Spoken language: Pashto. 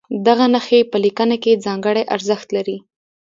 دغه نښې په لیکنه کې ځانګړی ارزښت لري.